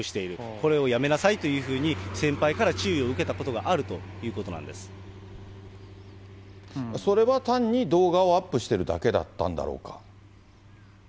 これをやめなさいというふうに、先輩から注意を受けたことがあるそれは単に動画をアップしてるだけだったんだろうか。